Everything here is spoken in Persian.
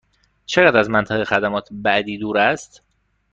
چقدر از منطقه خدمات بعدی دور است؟